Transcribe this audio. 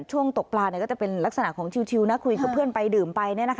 ตกปลาก็จะเป็นลักษณะของชิวคุยกับเพื่อนไปดื่มไป